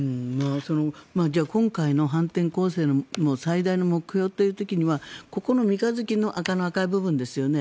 今回の反転攻勢の最大の目標という時にはここの三日月のあの赤い部分ですよね